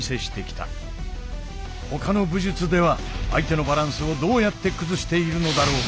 ほかの武術では相手のバランスをどうやって崩しているのだろうか。